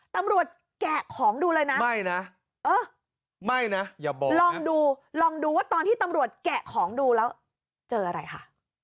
ตำรวจแกะของดูเลยนะเออลองดูว่าตอนที่ตำรวจแกะของดูแล้วเจออะไรค่ะ